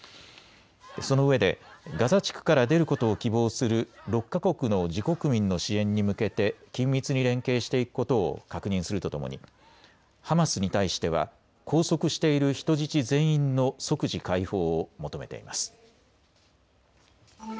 そのうえでガザ地区から出ることを希望する６か国の自国民の支援に向けて緊密に連携していくことを確認するとともにハマスに対しては拘束している人質全員の即時解放を求めています。